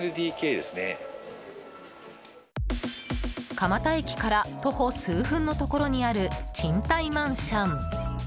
蒲田駅から徒歩数分のところにある賃貸マンション。